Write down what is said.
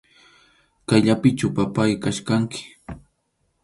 Kayllapichu, papáy, kachkanki.